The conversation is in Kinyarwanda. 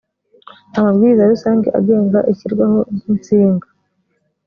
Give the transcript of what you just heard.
amabwiriza rusange agenga ishyirwaho ry insinga